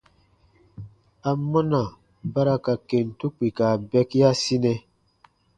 Amɔna ba ra ka kentu kpika bɛkiasinɛ?